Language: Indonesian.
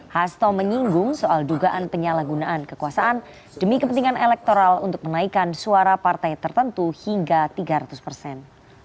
hasto menyinggung soal dugaan penyalahgunaan kekuasaan demi kepentingan elektoral untuk menaikkan suara partai tertentu hingga tiga ratus persen